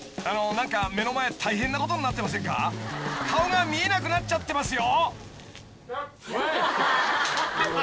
［あの何か目の前大変なことになってませんか？］［顔が見えなくなっちゃってますよ］